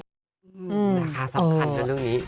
ค่ะสำคัญกับเรื่องนี้